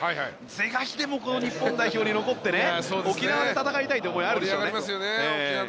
是が非でもこの日本代表に残って沖縄で戦いたいという思いがあるでしょうね。